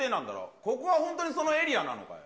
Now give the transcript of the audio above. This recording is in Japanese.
ここは本当にそのエリアなのかよ？